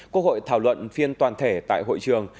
quốc hội thảo luận phiên toàn thể tại hội trường